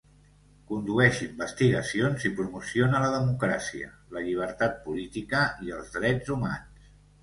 Condueix investigacions i promociona la democràcia, la llibertat política i els drets humans.